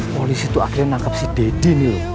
polisi tuh akhirnya nangkap si deddy nih